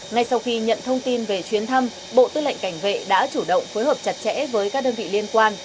ngay sau khi nhận thông tin về chuyến thăm bộ tư lệnh cảnh vệ đã chủ động phối hợp chặt chẽ với các đơn vị liên quan